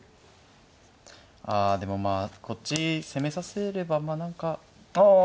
あでもまあこっち攻めさせればまあ何かちょっと。